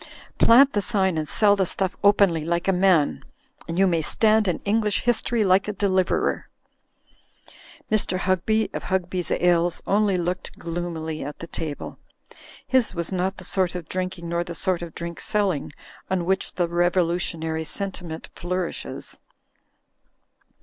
Plant the sign and sell the stuff openly like a man, and you may stand in English history like a deliverer." Mr. Hugby, of Hugby's Ales, only looked gloomily at the table. His was not the sort of drinking nor the sort of drink selling on which the revolutionary sen timent flourishes.